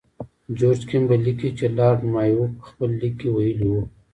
جورج کیمبل لیکي چې لارډ مایو په خپل لیک کې ویلي وو.